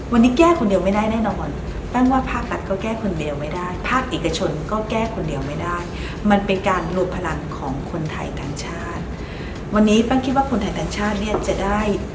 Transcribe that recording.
วันนี้แก้คนเดียวไม่ได้แน่นอนแป้งว่าภาคตัดก็แก้คนเดียวไม่ได้ภาคเอกชนก็แก้คนเดียวไม่ได้